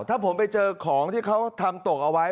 ถ้าผมไปเจอของที่เขาทำตกเอาไว้